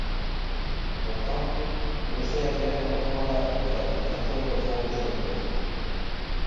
Por tanto, non sei a que vén o tema da infrautilización dos fondos europeos.